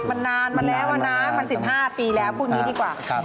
มันนานมาแล้วนะมัน๑๕ปีแล้วพูดอย่างนี้ดีกว่า